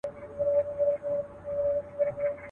سرونه رغړي ویني وبهیږي.